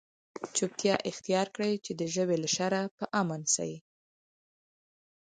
چوپتیا اختیار کړئ! چي د ژبي له شره په امن سئ.